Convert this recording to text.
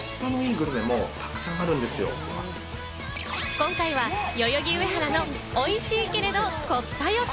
今回は代々木上原のおいしいけれどコスパ良し！